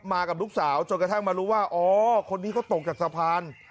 กับลูกสาวจนกระทั่งมารู้ว่าอ๋อคนนี้เขาตกจากสะพาน